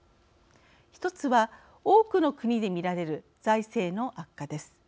一つは多くの国で見られる財政の悪化です。